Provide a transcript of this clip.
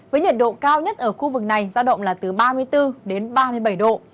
với nhiệt độ cao nhất ở khu vực này giao động là từ ba mươi bốn đến ba mươi bảy độ